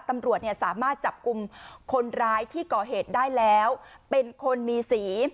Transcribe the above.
ตำรวจเนี่ยสามารถจับกลุ่มคนร้ายที่ก่อเหตุได้แล้วเป็นคนมีสี